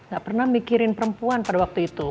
gak pernah mikirin perempuan pada waktu itu